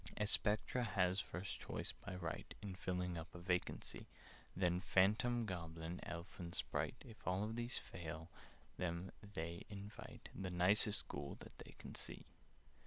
"A Spectre has first choice, by right, In filling up a vacancy; Then Phantom, Goblin, Elf, and Sprite— If all these fail them, they invite The nicest Ghoul that they can see.